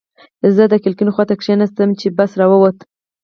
زه د کړکۍ خواته کېناستم چې بس را ووت.